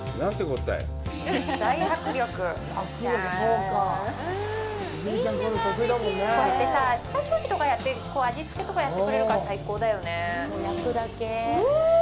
こうやってさ、下処理とかやって味つけとかやってくれるから最高だよね。